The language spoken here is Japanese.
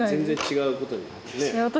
全然違うことになるね